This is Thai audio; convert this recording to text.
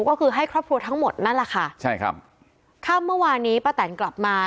ก็คือให้ครอบครัวทั้งหมดนั่นแหละค่ะใช่ครับค่ำเมื่อวานนี้ป้าแตนกลับมา